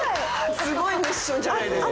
すごいミッションじゃないですか。